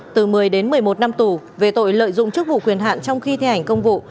từ một mươi đến một mươi một năm tù về tội lợi dụng chức vụ quyền hạn trong khi thi hành công vụ